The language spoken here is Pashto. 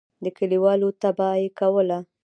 د کلیوالو طبعه یې کوله.